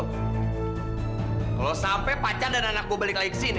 jika kamu sampai pacar dan anak saya kembali ke sini